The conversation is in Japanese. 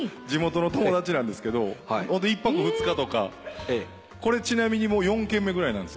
地元の友達なんですけどホント１泊２日とかこれちなみにもう４軒目ぐらい。